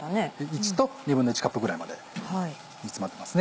１と１／２カップぐらいまで煮詰まってますね。